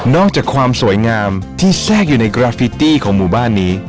อกจากความสวยงามที่แทรกอยู่ในกราฟิตี้ของหมู่บ้านนี้